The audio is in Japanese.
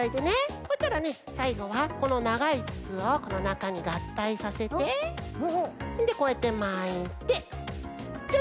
そしたらねさいごはこのながいつつをこのなかにがったいさせてこうやってまいてジャジャン！